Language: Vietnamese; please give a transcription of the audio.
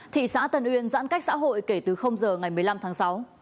thị xã tân uyên giãn cách xã hội kể từ giờ ngày một mươi năm tháng sáu